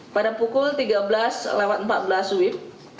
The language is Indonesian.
pada pukul tiga belas lima puluh lima wib